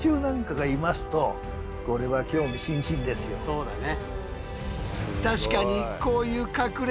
そうだね。